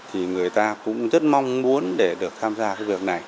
thì người ta cũng rất mong muốn để được tham gia cái việc này